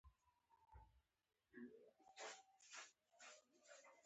د باد شور د ونو څانګې ښوروي.